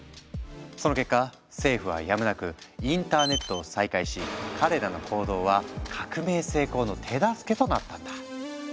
その結果政府はやむなくインターネットを再開し彼らの行動は革命成功の手助けとなったんだ。